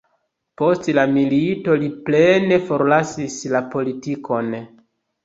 Post la milito li plene forlasis la politikon.